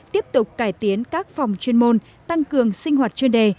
tiếp tục cải tiến các phòng chuyên môn tăng cường sinh hoạt chuyên đề